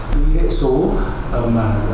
thì hệ số mà